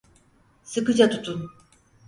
Sıkıca tutun.